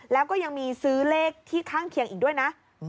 แล้วก็ยังมีซื้อเลขที่ข้างเคียงอีกด้วยนะ